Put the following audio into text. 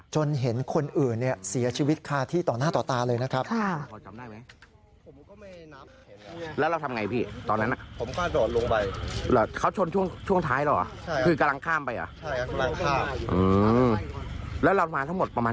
จนเห็นคนอื่นเสียชีวิตคาที่ต่อหน้าต่อตาเลยนะครับ